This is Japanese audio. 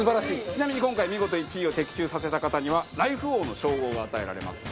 ちなみに今回見事１位を的中させた方にはライフ王の称号が与えられます。